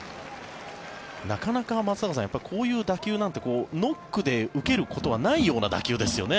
なかなか松坂さんこういう打球なんてノックで受けることはないような打球ですよね。